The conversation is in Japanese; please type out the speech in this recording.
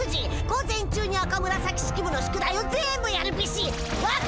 午前中に赤紫式部の宿題を全部やるビシッ！